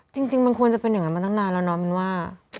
จริงมันควรจะเป็นอย่างนั้นมาตั้งนานแล้วเนาะมินว่า